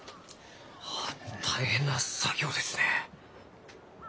あ大変な作業ですね。